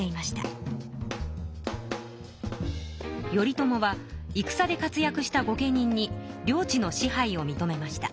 頼朝はいくさで活やくした御家人に領地の支配をみとめました。